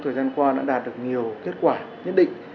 thời gian qua đã đạt được nhiều kết quả nhất định